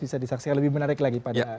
bisa disaksikan lebih menarik lagi pada